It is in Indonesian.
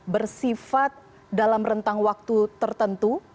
bersifat dalam rentang waktu tertentu